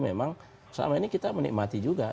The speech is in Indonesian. memang selama ini kita menikmati juga